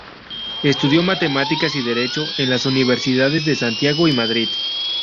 Estudió Matemáticas y Derecho en las universidades de Santiago y Madrid.